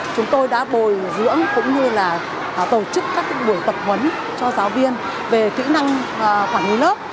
chúng tôi đã bồi dưỡng cũng như là tổ chức các buổi tập huấn cho giáo viên về kỹ năng quản lý lớp